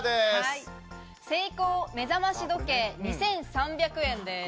セイコー目覚まし時計２３００円です。